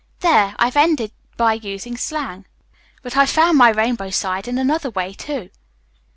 There, I've ended by using slang. But I've found my rainbow side in another way, too."